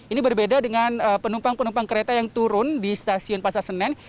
ini berbeda dengan penumpang penumpang kereta yang turun di stasiun pasar senen